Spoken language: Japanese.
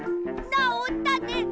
なおったね！